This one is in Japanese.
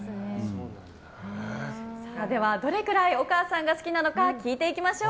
ではどれくらいお母さんが好きなのか聞いていきましょう。